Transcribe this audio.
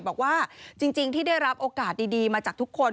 บอกว่าจริงที่ได้รับโอกาสดีมาจากทุกคน